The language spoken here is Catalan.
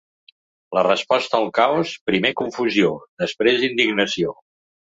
La resposta al caos: primer, confusió; després, indignació.